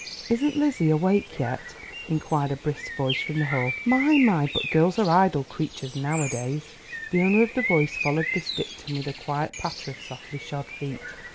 "Isn't Lizzie awake yet?" inquired a brisk voice from the hall. "My, my! but girls are idle creatures nowadays!" The owner of the voice followed this dictum with a quick patter of softly shod feet.